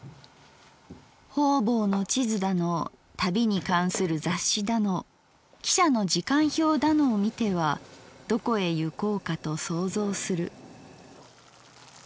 方々の地図だの旅に関する雑誌だの汽車の時間表だのをみてはどこへゆこうかと想像する」。